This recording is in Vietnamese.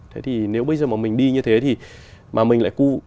thế thì nếu bây giờ mà mình đi như thế thì mà mình lại